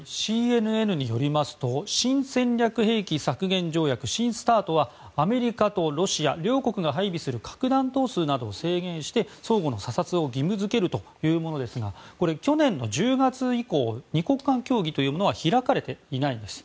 ＣＮＮによりますと新戦略兵器削減条約・新ＳＴＡＲＴはアメリカとロシア両国が配備する核弾頭数などを制限して相互の査察を義務付けるというものですが去年１０月以降２国間協議というものは開かれていないです。